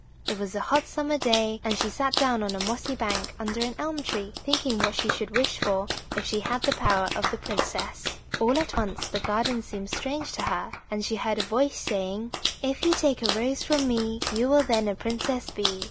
It was a hot summer day, and she sat down on a mossy bank under an elm tree thinking what she should wish for if she had the power of the princess. All at once the garden seemed strange to her, and she heard a voice saying: "If you take a rose from me You will then a princess be."